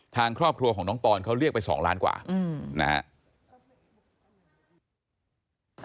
ทางครอบครัวของน้องปอนเขาเรียกไป๒ล้านกว่านะฮะ